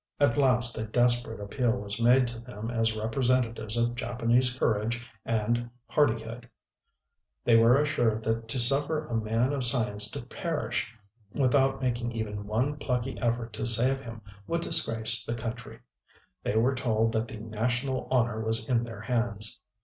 At last a desperate appeal was made to them as representatives of Japanese courage and hardihood: they were assured that to suffer a man of science to perish, without making even one plucky effort to save him, would disgrace the country; they were told that the national honor was in their hands.